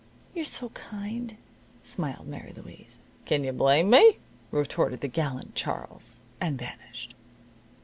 "You're so kind," smiled Mary Louise. "Kin you blame me?" retorted the gallant Charles. And vanished.